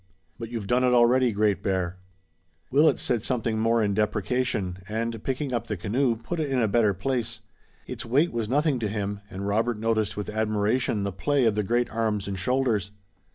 "But you've done it already, Great Bear." Willet said something more in deprecation, and picking up the canoe, put it in a better place. Its weight was nothing to him, and Robert noticed with admiration the play of the great arms and shoulders.